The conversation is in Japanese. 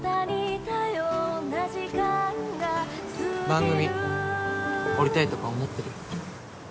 番組降りたいとか思ってる？